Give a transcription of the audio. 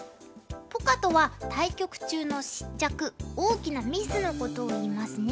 ポカとは対局中の失着大きなミスのことをいいますね。